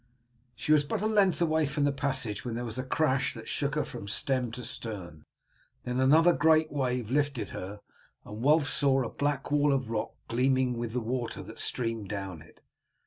She was but a length away from the passage when there was a crash that shook her from stem to stern; then another great wave lifted her, and Wulf saw a black wall of rock gleaming with the water that streamed down it.